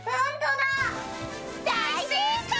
だいせいかい！